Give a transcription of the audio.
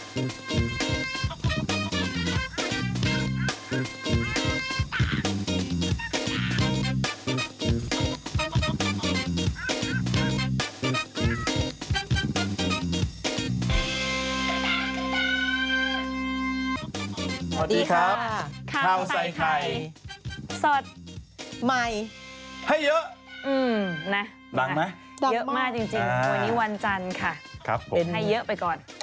สวัสดีค่ะข้าวใส่ไข่สดใหม่ให้เยอะนะดังไหมเยอะมากจริงวันนี้วันจันทร์ค่ะเป็นให้เยอะไปก่อน